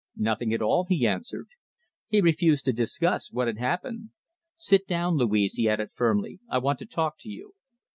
"Nothing at all," he answered. "He refused to discuss what had happened. Sit down, Louise," he added firmly. "I want to talk to you."